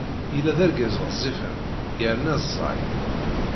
Yella d argaz ɣezzifen yerna ẓẓay.